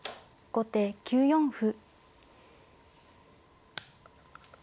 後手７四歩。